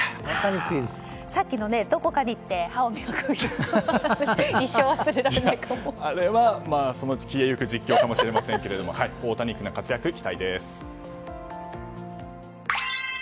さっきのどこかに行って歯を磨くってあれはそのうち消え行く実況かもしれませんけどオオタニックな活躍、期待です。